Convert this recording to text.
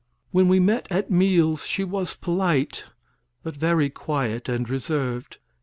When we met at meals she was polite, but very quiet and reserved.